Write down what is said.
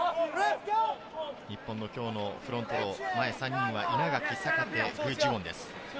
日本の今日のフロントロー、前は稲垣、坂手、グ・ジウォンです。